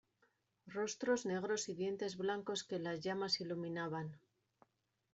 rostros negros y dientes blancos que las llamas iluminaban.